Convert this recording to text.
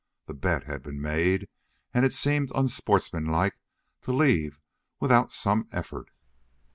The bet had been made, and it seemed unsportsmanlike to leave without some effort.